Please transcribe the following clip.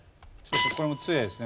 これも杖ですね。